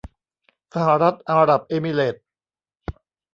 สหรัฐอาหรับเอมิเรตส์